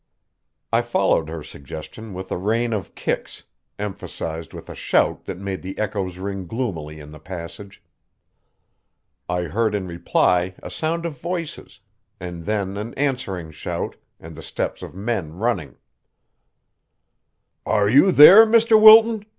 I followed her suggestion with a rain of kicks, emphasized with a shout that made the echoes ring gloomily in the passage. I heard in reply a sound of voices, and then an answering shout, and the steps of men running. "Are you there, Mr. Wilton?"